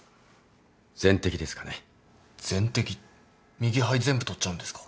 右肺全部取っちゃうんですか？